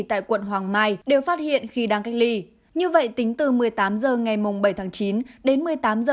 tại quận hoàng mai đều phát hiện khi đang cách ly như vậy tính từ một mươi tám h ngày bảy tháng chín đến một mươi tám h